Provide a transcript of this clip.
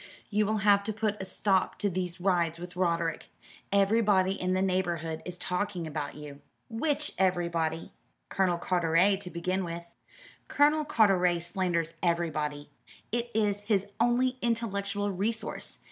"You will have to put a stop to these rides with Roderick. Everybody in the neighbourhood is talking about you." "Which everybody?" "Colonel Carteret to begin with." "Colonel Carteret slanders everybody. It is his only intellectual resource.